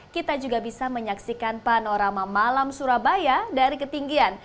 kita juga bisa menyaksikan panorama malam surabaya dari ketinggian